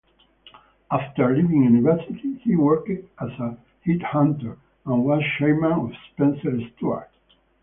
After leaving university he worked as a headhunter and was Chairman of Spencer Stuart.